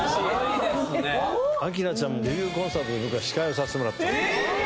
明菜ちゃんのデビューコンサートの僕は司会をさせてもらった。